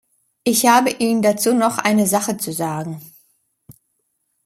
Ich habe Ihnen dazu noch eine Sache zu sagen.